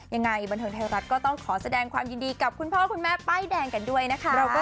ยังไงบันเทิงไทยรัฐก็ต้องขอแสดงความยินดีกับคุณพ่อคุณแม่ป้ายแดงกันด้วยนะคะ